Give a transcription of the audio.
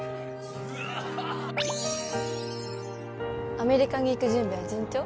アメリカに行く準備は順調？